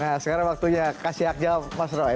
nah sekarang waktunya kasih hak jawab mas roy